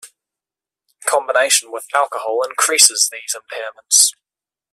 Combination with alcohol increases these impairments.